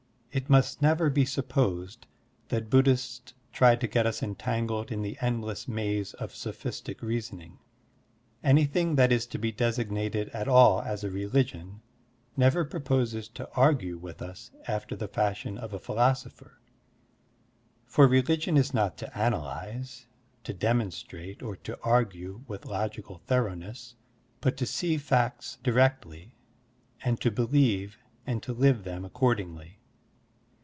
It must never be sup posed that Buddhists try to get us entangled in the endless maze of sophistic reasoning. Any thing that is to be designated at all as a religion Digitized by Google BUDDHIST FAITH 6$ never proposes to argue with us after the fashion of a philosopher; for religion is not to analyze, to demonstrate, or to argue with logical thor oughness, but to see facts directly and to believe and to live them accordingly.